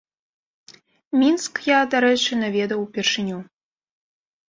Мінск, я, дарэчы, наведаў упершыню.